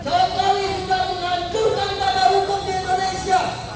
jokowi sudah menghancurkan tanda hukum di indonesia